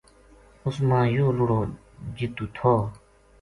اس ما یوہ لڑو جِتو تھو